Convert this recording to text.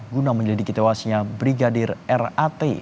guna menyelidiki tewasnya brigadir rat